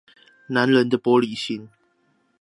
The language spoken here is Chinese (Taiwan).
男人玻璃心